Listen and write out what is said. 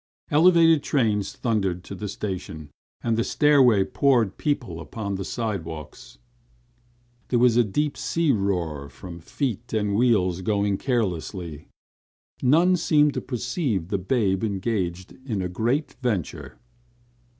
Elevated trains thundered to the station and the stairway poured people upon the side walks. There was a deep sea roar from feet and wheels going ceaselessly. None seemed to perceive the babe engaged in a great venture.